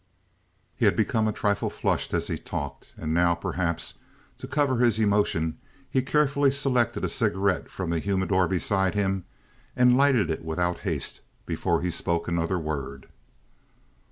He had become a trifle flushed as he talked, and now, perhaps to cover his emotion, he carefully selected a cigarette from the humidor beside him and lighted it without haste before he spoke another word.